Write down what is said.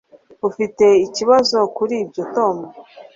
Ufite ikibazo kuri ibyo Tom